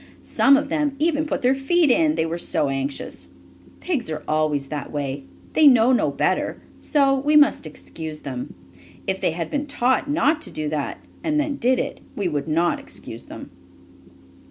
Some of them even put their feet in, they were so anxious. Pigs are always that way. They know no better, so we must excuse them. If they had been taught not to do that, and then did it, we would not excuse them.